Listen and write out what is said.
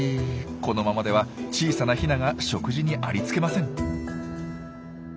このままでは小さなヒナが食事にありつけません。